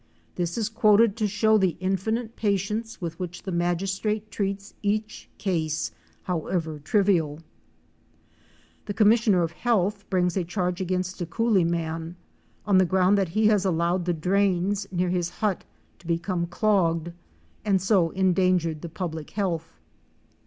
This is quoted to show the infinite patience with which the magis trate treats each case, however trivial. STEAMER AND LAUNCH TO HOORIE CREEK. I51 The commissioner of health brings a charge against a coolie man, on the ground that he has allowed the drains near his hut to become clogged and so endangered the Public Health.